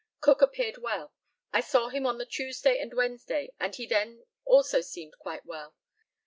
Cook appeared well. I saw him on the Tuesday and Wednesday, and he then also seemed quite well.